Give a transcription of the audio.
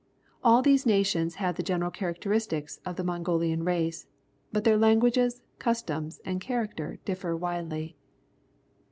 All these nations have the general characteristics of the Mongolian race, but their languages, customs, and character differ ^\ idely.